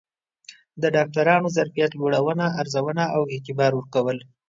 د ډاکترانو ظرفیت لوړونه، ارزونه او اعتبار ورکول